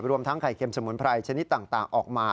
รวมทั้งไข่เค็มสมุนไพรชนิดต่างออกมา